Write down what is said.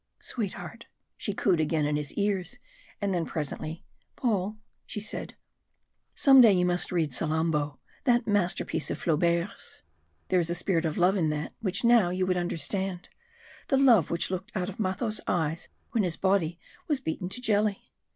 "Sweetheart!" she cooed again in his ears; and then presently, "Paul," she said, "some day you must read 'Salammbo,' that masterpiece of Flaubert's. There is a spirit of love in that which now you would understand the love which looked out of Matho's eyes when his body was beaten to jelly.